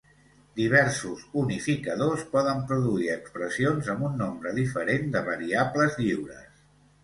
Diversos unificadors poden produir expressions amb un nombre diferent de variables lliures.